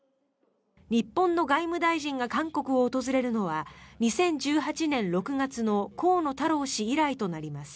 日本の外務大臣が韓国を訪れるのは２０１８年６月の河野太郎氏以来となります。